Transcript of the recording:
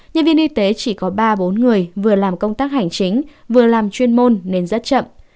nhân viên y tế chỉ có ba bốn người vừa làm công tác hành chính vừa làm chuyên môn nên rất chậm